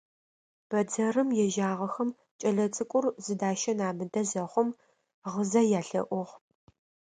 Бэдзэрым ежьагъэхэм кӏэлэцӏыкӏур зыдащэн амыдэ зэхъум гъызэ ялъэӏугъ.